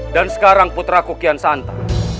dan sekarang putra kukian santa